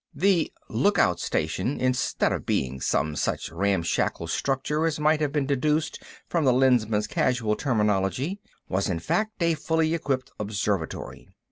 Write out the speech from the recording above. The "lookout station," instead of being some such ramshackle structure as might have been deduced from the Lensman's casual terminology, was in fact a fully equipped observatory.